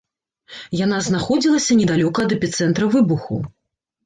Яна знаходзілася недалёка ад эпіцэнтра выбуху.